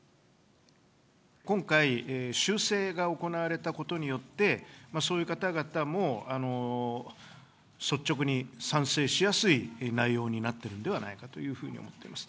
今回、修正が行われたことによって、そういう方々も率直に賛成しやすい内容になってるんではないかというふうに思ってます。